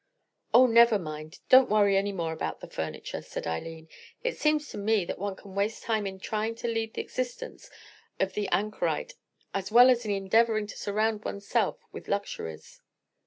"Oh, never mind; don't worry any more about the furniture," said Eileen. "It seems to me that one can waste time in trying to lead the existence of the anchorite as well as in endeavoring to surround one's self with luxuries."